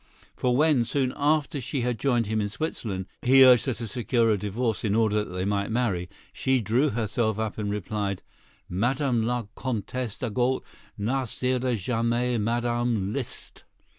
For when, soon after she had joined him in Switzerland, he urged her to secure a divorce in order that they might marry, she drew herself up and replied: "Madame la Comtesse d'Agoult ne sera jamais Madame Liszt!"